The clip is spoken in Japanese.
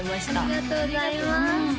ありがとうございます